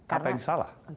apa yang salah